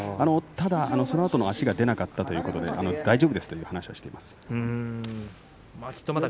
ただそのあとの足が出なかったということで、大丈夫ですという話をしていました。